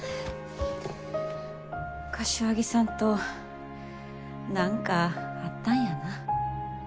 柏木さんと何かあったんやな。